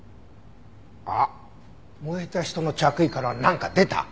あっ燃えた人の着衣からはなんか出た？